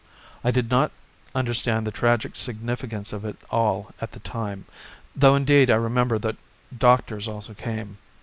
I did not understand the tragic significance of it all at the time, though indeed I remember that doctors also came.